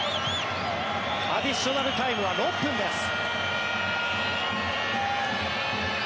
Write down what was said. アディショナルタイムは６分です。